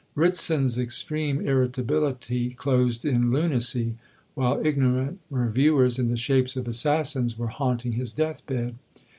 Ritson's extreme irritability closed in lunacy, while ignorant Reviewers, in the shapes of assassins, were haunting his death bed.